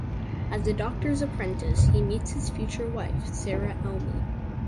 As a doctor’s apprentice, he meets his future wife, Sarah Elmy.